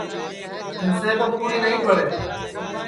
اِنسے تو پوری نائی پڑے